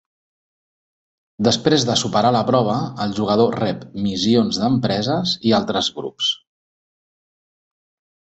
Després de superar la prova, el jugador rep missions d'empreses i altres grups.